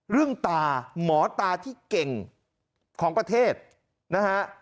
ตาหมอตาที่เก่งของประเทศนะฮะ